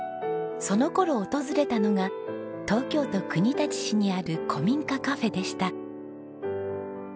その頃訪れたのが東京都国立市にある古民家カフェでした。